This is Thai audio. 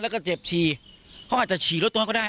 แล้วก็เจ็บฉี่เขาอาจจะฉี่รถโน้นก็ได้